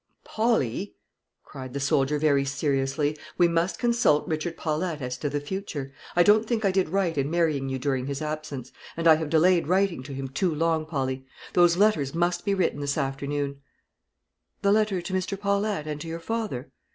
"Polly," cried the soldier, very seriously, "we must consult Richard Paulette as to the future. I don't think I did right in marrying you during his absence; and I have delayed writing to him too long, Polly. Those letters must be written this afternoon." "The letter to Mr. Paulette and to your father?"